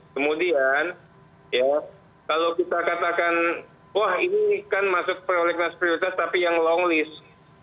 kemudian ya kalau kita katakan wah ini kan masuk prolegnas prioritas tapi yang long list